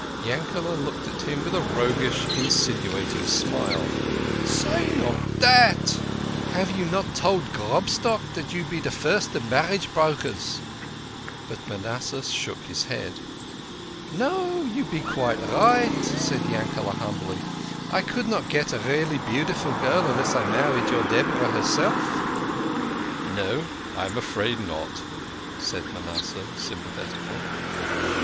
Yankel6 looked at him with a roguish, insinuating smile. " Say not dat ! Have you not told Grobstock you be de first of marriage brokers ?" But Manasseh shook his head. "No, you be quite* right," said Yankele' humbly; "I could not get a really beaudiful girl unless I married your Deborah herself." "No, I am afraid not," said Manasseh sympathetically.